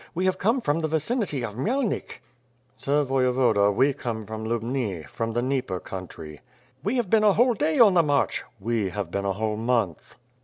We have come from the vicinity of Khymelnik." "Sir Voyevoda, we eomie from Lubni, from the Dnieper country." "We have been a whole day on the march." "We have been a whole month."